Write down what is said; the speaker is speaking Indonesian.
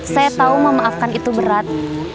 saya tahu memaafkan itu berat